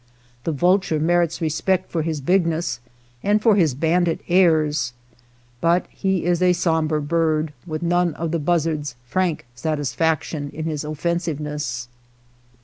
The vulture merits respect for his big ness and for his bandit airs, but he is a sombre bird, with none of the buzzard's frank satisfaction in his offensiveness.